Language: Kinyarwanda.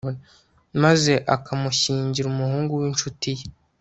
maze akamushyingira umuhungu w'incuti ye